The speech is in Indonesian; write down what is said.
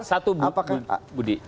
tapi satu budi